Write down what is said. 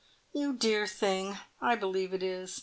"You dear thing! I believe it is.